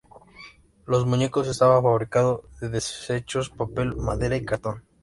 Los muñecos estaban fabricados de desechos, papel, madera y cartón.